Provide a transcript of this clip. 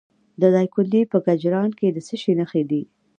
د دایکنډي په کجران کې د څه شي نښې دي؟